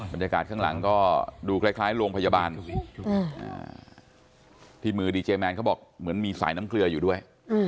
บรรยากาศข้างหลังก็ดูคล้ายโรงพยาบาลที่มือดีเจแมนเขาบอกเหมือนมีสายน้ำเกลืออยู่ด้วย